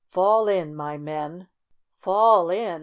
"Fall in, my men!" "Fall in!